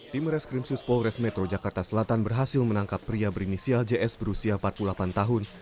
tim reskrimsus polres metro jakarta selatan berhasil menangkap pria berinisial js berusia empat puluh delapan tahun